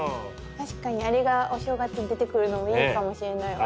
確かにあれがお正月に出てくるのもいいかもしれないわ。